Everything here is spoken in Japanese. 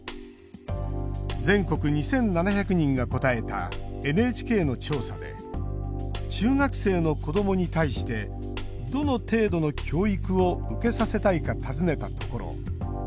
全国２７００人が答えたＮＨＫの調査で中学生の子どもに対してどの程度の教育を受けさせたいか尋ねたところ。